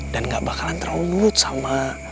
dan gak bakalan terlalu nurut sama